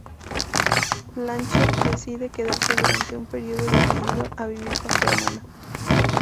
Blanche decide quedarse durante un período indefinido a vivir con su hermana.